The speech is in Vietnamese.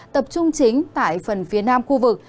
tập trung chính tại phần phía nam khu vực